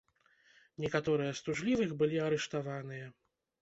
Некаторыя з тужлівых былі арыштаваныя.